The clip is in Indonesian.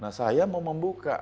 nah saya mau membuka